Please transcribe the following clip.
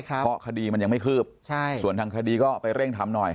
เพราะคดีมันยังไม่คืบส่วนทางคดีก็ไปเร่งทำหน่อย